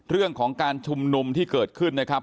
เรื่องของการชุมนุมที่เกิดขึ้นนะครับ